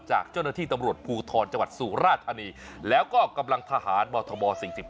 จากเจ้าหน้าที่ตำรวจภูทรจสุราธานีแล้วก็กำลังทหารบทบ๑๕